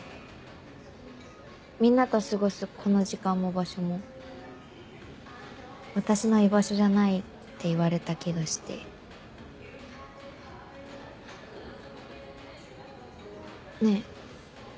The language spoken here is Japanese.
みんなと過ごすこの時間も場所も私の居場所じゃないって言われた気がして。ねぇ。